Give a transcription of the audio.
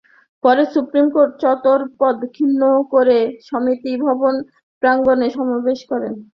পরে supreme court চত্বর প্রদক্ষিণ করে সমিতি ভবন প্রাঙ্গণে সমাবেশ করেন।